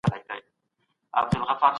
ستاينې خدمت نه دی.